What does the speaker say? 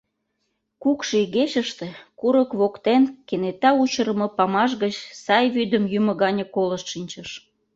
Кукшо игечыште курык воктен кенета учырымо памаш гыч сай вӱдым йӱмӧ гане колышт шинчыш.